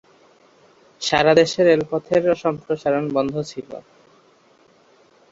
সারা দেশে রেলপথের সম্প্রসারণ বন্ধ ছিল।